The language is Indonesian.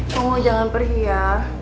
kau jangan pergi ya